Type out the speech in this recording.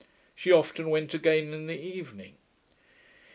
She often went again in the evening.